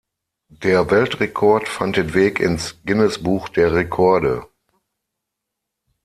Der Weltrekord fand den Weg ins Guinness-Buch der Rekorde.